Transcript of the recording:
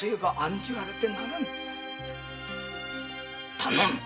頼む。